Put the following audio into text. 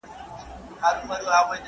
تاسي تل د ژوند په هره برخه کي بریالي یاست.